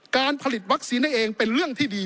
การผลิตวัคซีนนั่นเองเป็นเรื่องที่ดี